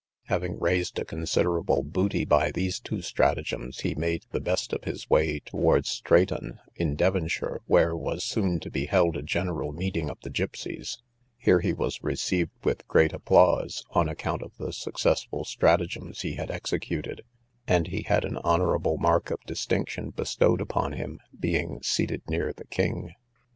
Having raised a considerable booty by these two stratagems, he made the best of his way towards Straton, in Devonshire, where was soon to be held a general assembly of the gipseys: here he was received with great applause, on account of the successful stratagems he had executed, and he had an honourable mark of distinction bestowed upon him, being seated near the king.